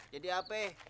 jadi apa eh